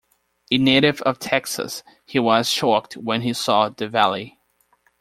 A native of Texas, he was shocked when he saw the valley.